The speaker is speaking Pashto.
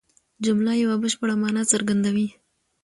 جمله یوه بشپړه مانا څرګندوي.